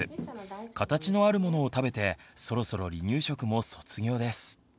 形のあるものを食べてそろそろ離乳食も卒業です。